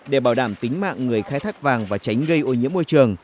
để bảo đảm tính mạng người khai thác vàng và tránh gây ô nhiễm môi trường